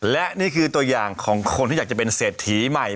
และนี่คือตัวอย่างของคนที่อยากจะเป็นเศรษฐีใหม่